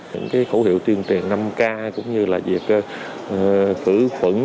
những cái khẩu hiệu tuyên truyền năm k cũng như là việc phử phẩn